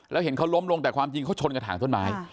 แล้วเห็นเขาล้มลงแต่ความจริงเขาชนกระถางต้นไม้